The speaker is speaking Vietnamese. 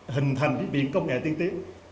hình thành cái biện công nghệ tiên tiến